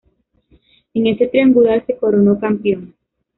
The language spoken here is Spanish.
En ese triangular, se coronó campeón.